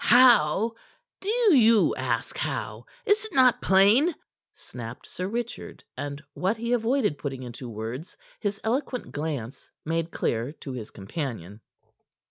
"How? Do you ask how? Is't not plain?" snapped Sir Richard, and what he avoided putting into words, his eloquent glance made clear to his companion.